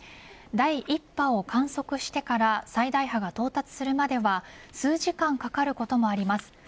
第１波を観測してから最大波が到達するまでは数時間かかることもあります。